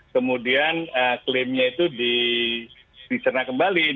kemudian klaimnya itu dicerna kembali